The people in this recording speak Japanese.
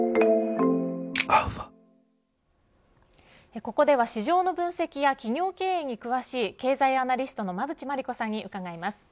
ここでは、市場の分析や企業経営に詳しい経済アナリストの馬渕磨理子さんに伺います。